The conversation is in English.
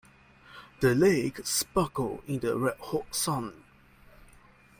The lake sparkled in the red hot sun.